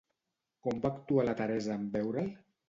Com va actuar la Teresa en veure'l?